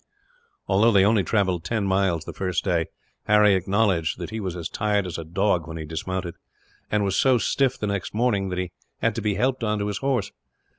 Although they only travelled ten miles the first day, Harry acknowledged that he was as tired as a dog when he dismounted; and was so stiff, the next morning, that he had to be helped on to his horse.